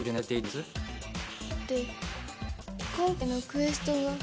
だって今回のクエストが。